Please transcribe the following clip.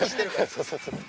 そうそうそうそう。